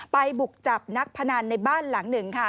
บุกจับนักพนันในบ้านหลังหนึ่งค่ะ